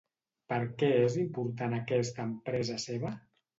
Per què és important aquesta empresa seva?